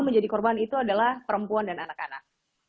menjadi korban itu adalah perempuan dan anak anak